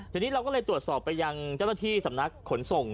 ทีนี้เราก็เลยตรวจสอบไปยังเจ้าหน้าที่สำนักขนส่ง